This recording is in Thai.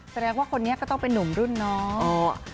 แสดงว่าคนนี้ก็ต้องเป็นนุ่มรุ่นน้อง